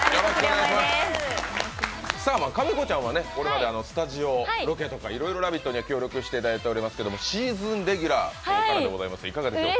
かみこちゃんはこれまでスタジオ、ロケとかいろいろ「ラヴィット！」に協力してくれてますけど、シーズンレギュラーいかがでしょうか？